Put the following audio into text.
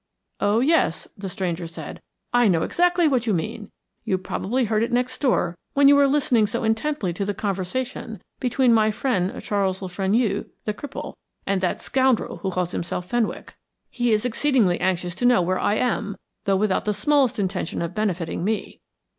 "Oh, yes," the stranger said, "I know exactly what you mean. You probably heard it next door when you were listening so intently to the conversation between my friend Charles Le Fenu, the cripple, and that scoundrel who calls himself Fenwick. He is exceedingly anxious to know where I am, though without the smallest intention of benefitting me.